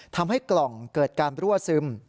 ทำให้กล่องเกิดการรั่วซึม